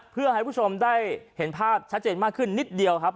เพื่อให้ผู้ชมได้เห็นภาพชัดเจนมากขึ้นนิดเดียวครับ